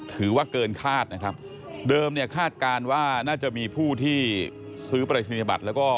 ถือว่าเกินคาดนะครับ